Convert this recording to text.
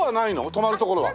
泊まる所は。